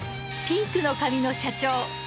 ピンクの髪の社長！